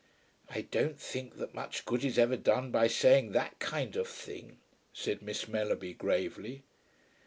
"I don't think that much good is ever done by saying that kind of thing," said Miss Mellerby gravely.